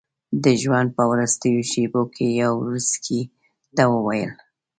د ژوند په وروستیو شېبو کې یاورسکي ته وویل.